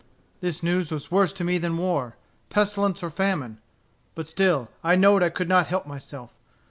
This news was worse to me than war, pestilence, or famine. But still I know'd I could not help myself.